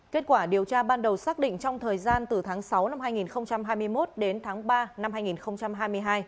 kết quả điều tra ban đầu xác định trong thời gian từ tháng sáu năm hai nghìn hai mươi một đến tháng ba năm hai nghìn hai mươi hai